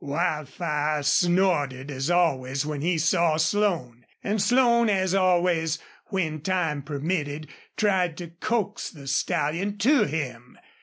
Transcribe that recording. Wildfire snorted as always when he saw Slone, and Slone as always, when time permitted, tried to coax the stallion to him.